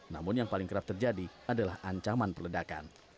namun yang paling kerap terjadi adalah ancaman perledakan